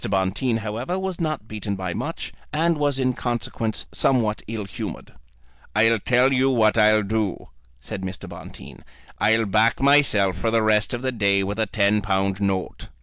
Bonteen, however, was not beaten by much, and was in consequence somewhat ill humoured. "I'll tell you what I'll do," said Mr. Bonteen, "I'll back myself for the rest of the day for a ten pound note."